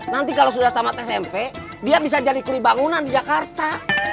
nanti kalau sudah tamat smp dia bisa jadi kli bangunan di jakarta